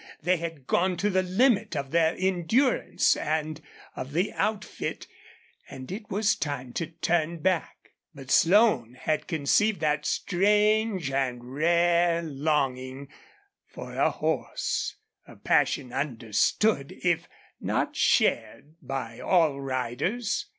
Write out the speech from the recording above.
They had gone to the limit of their endurance and of the outfit, and it was time to turn back. But Slone had conceived that strange and rare longing for a horse a passion understood, if not shared, by all riders.